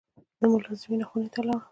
د ملازمینو خونې ته لاړو.